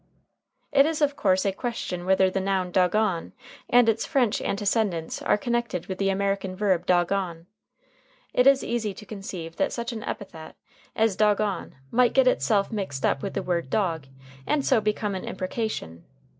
It is of course a question whether the noun dogon and its French antecedents are connected with the American verb dog on. It is easy to conceive that such an epithet as dogon might get itself mixed up with the word dog, and so become an imprecation.